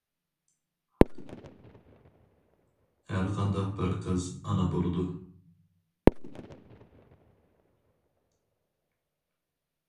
ھەر قانداق بىر قىز ئانا بولىدۇ.